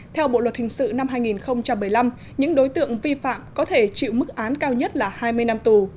theo bộ luật hình sự năm hai nghìn một mươi năm những đối tượng vi phạm có thể chịu mức án cao nhất là hai mươi năm tù